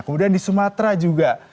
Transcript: kemudian di sumatera juga